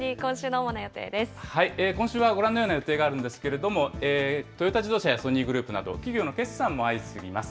今週はご覧のような予定があるんですけれども、トヨタ自動車やソニーグループなど、企業の決算も相次ぎます。